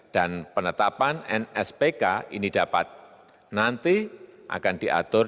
dan penetapan nspk ini dapat nanti akan diatur